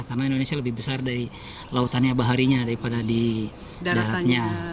karena indonesia lebih besar dari lautannya baharinya daripada di daratannya